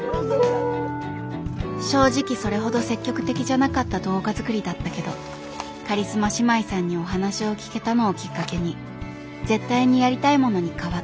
正直それほど積極的じゃなかった動画作りだったけどカリスマ姉妹さんにお話を聞けたのをきっかけに絶対にやりたいものに変わった。